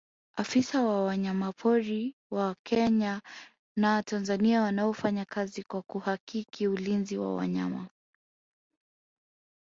afisa wa wanyamapori wa kenya na tanzania wanaofanya kazi kwa kuhakiki ulinzi wa wanyama